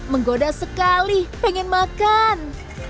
menggoda sekali pengen makan